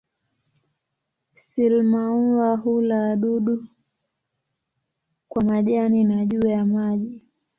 Sile-maua hula wadudu kwa majani na juu ya maji.